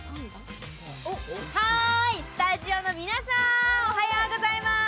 スタジオの皆さん、おはようございます。